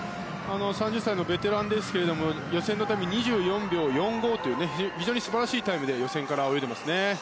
３０歳のベテランですけど予選の時に２４秒４５という非常に素晴らしいタイムで予選から泳いでいますね。